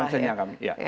iya masalahnya kami